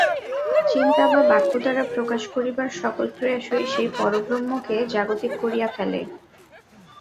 চিন্তা বা বাক্য দ্বারা প্রকাশ করিবার সকল প্রয়াসই সেই পরব্রহ্মকে জাগতিক করিয়া ফেলে।